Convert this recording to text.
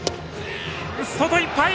外いっぱい！